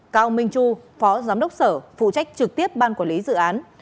cao minh chu phó giám đốc sở phụ trách trực tiếp ban quản lý dự án